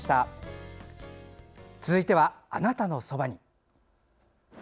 続いては「あなたのそばに」。